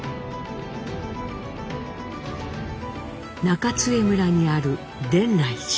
中津江村にある伝来寺。